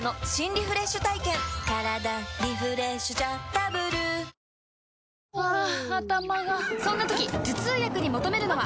ダイハツハァ頭がそんな時頭痛薬に求めるのは？